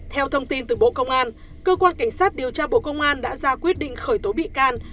theo thông tin từ bộ công an cơ quan cảnh sát điều tra bộ công an đã ra quyết định khởi tố bị can